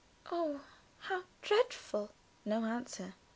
"Oh, how dreadful!" No answer.